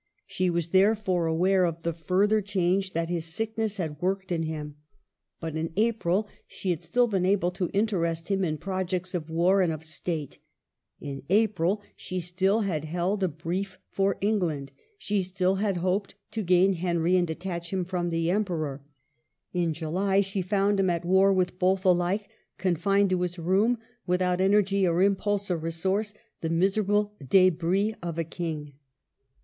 She was there fore aware of the further change that his sick ness had worked in him. But in April she had still been able to interest him in projects of war ^ and of State ; in April she still had held a brief for England, she still had hoped to gain Henry and detach him from the Emperor ; in July she THE "■ HEPTAMERON:' 201 found him at war with both ahke, confined to his room, without energy or impulse or resource, — the miserable debris of a King.